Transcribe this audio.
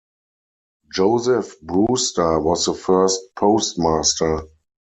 Joseph Brewster was the first postmaster.